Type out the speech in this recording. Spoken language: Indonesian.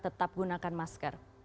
tetap gunakan masker